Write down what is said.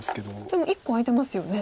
でも１個空いてますよね。